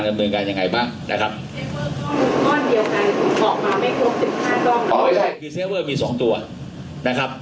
ดำเนินการยังไงบ้างนะครับอ๋อไม่ใช่มีสองตัวนะครับ